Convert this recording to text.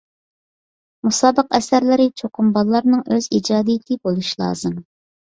مۇسابىقە ئەسەرلىرى چوقۇم بالىلارنىڭ ئۆز ئىجادىيىتى بولۇشى لازىم.